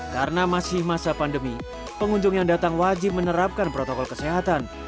karena masih masa pandemi pengunjung yang datang wajib menerapkan protokol kesehatan